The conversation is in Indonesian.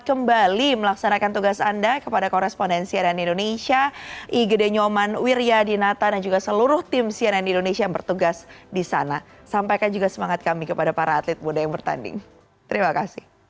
sampai jumpa di video selanjutnya